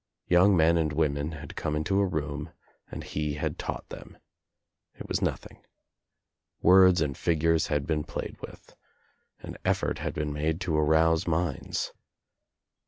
Young men and women had come into a room and he had taught them. It was nothing. Words and figures had been played with. An effort had been made to arouse minds.